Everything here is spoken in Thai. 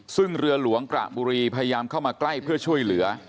ซึ่งเรือหลวงกระบุรีพยายามเข้ามาใกล้เพื่อช่วยเหลือ